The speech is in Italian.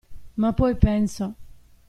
Ma poi penso.